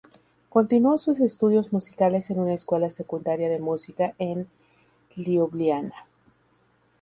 Continuó sus estudios musicales en una escuela secundaria de música en Liubliana.